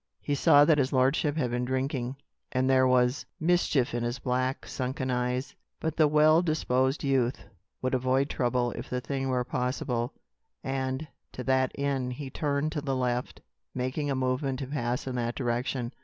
He saw that his lordship had been drinking, and there was mischief in his black, sunken eyes. But the well disposed youth would avoid trouble if the thing were possible; and, to that end, he turned to the left, making a movement to pass in that direction.